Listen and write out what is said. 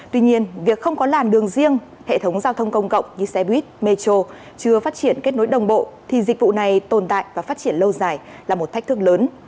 tuy nhiên việc không có làn đường riêng hệ thống giao thông công cộng như xe buýt metro chưa phát triển kết nối đồng bộ thì dịch vụ này tồn tại và phát triển lâu dài là một thách thức lớn